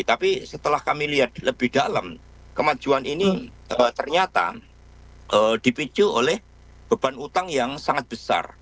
tapi setelah kami lihat lebih dalam kemajuan ini ternyata dipicu oleh beban utang yang sangat besar